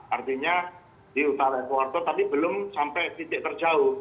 artinya di utara ekorto tapi belum sampai titik terjauh